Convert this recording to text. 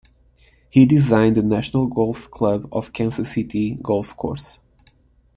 He designed the National Golf Club of Kansas City golf course.